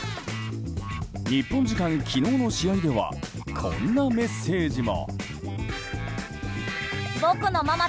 日本時間昨日の試合ではこんなメッセージも。